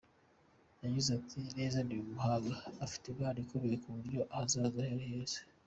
Yagize ati “Neza ni umuhanga, afite impano ikomeye ku buryo ahazaza he ari heza.